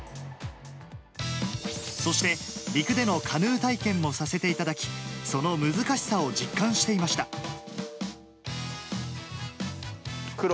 そして、陸でのカヌー体験もさせていただき、その難しさを実感していましクロ